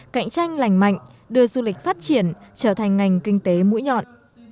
cạnh tranh lành mạnh đưa du lịch phát triển trở thành ngành kinh tế mũi nhọn